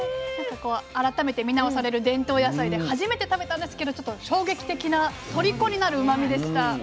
なんかこう改めて見直される伝統野菜で初めて食べたんですけどちょっと衝撃的なとりこになるうまみでした。